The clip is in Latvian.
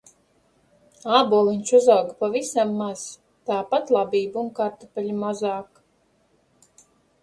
Āboliņš uzauga pavisam maz, tāpat labība un kartupeļi mazāk.